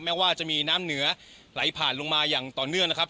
ว่าจะมีน้ำเหนือไหลผ่านลงมาอย่างต่อเนื่องนะครับ